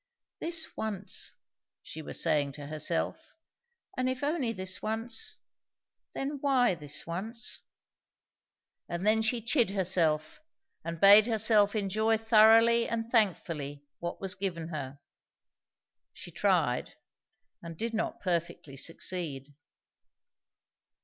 "This once," she was saying to herself; "and if only this once, then why this once?" And then she chid herself, and bade herself enjoy thoroughly and thankfully what was given her. She tried, and did not perfectly succeed.